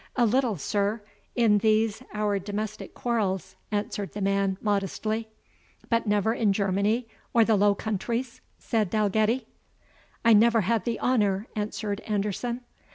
"A little, sir, in these our domestic quarrels," answered the man, modestly. "But never in Germany or the Low Countries?" said Dalgetty. "I never had the honour," answered Anderson.